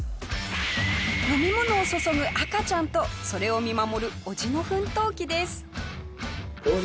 飲み物を注ぐ赤ちゃんとそれを見守るおじの奮闘記です。